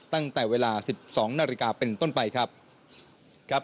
ตั้งแต่เวลา๑๒นาฬิกาเป็นต้นไปครับครับ